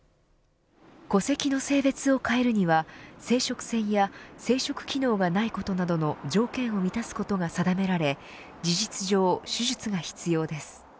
戸籍の性別を変えるには生殖腺や生殖機能がないことなどの条件を満たすことが定められ事実上、手術が必要です。